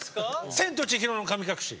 「千と千尋の神隠し」。